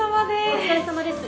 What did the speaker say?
お疲れさまです。